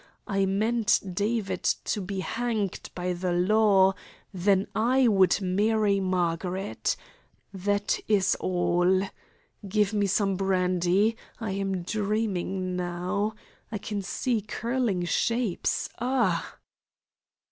I meant David to be hanged by the law; then I would marry Margaret. That is all. Give me some brandy. I am dreaming now. I can see curling shapes. Ah!"